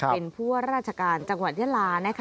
เป็นผู้ว่าราชการจังหวัดยาลานะคะ